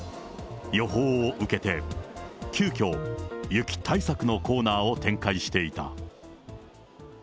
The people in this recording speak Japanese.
予報を受けて急きょ、雪対策のコーナーを展開していた。